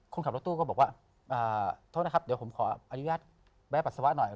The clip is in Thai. คนขับรถตู้ก็บอกว่าโทษนะครับเดี๋ยวผมขออนุญาตแวะปัสสาวะหน่อย